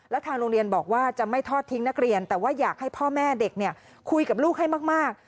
แล้วทางโรงเรียนบอกว่าจะไม่ทอดทิ้งนักเรียนแต่ว่าอยากให้พ่อแม่เด็กคุยกับลูกให้มาก